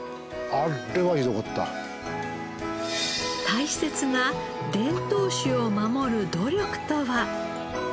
大切な伝統種を守る努力とは？